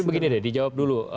begini deh dijawab dulu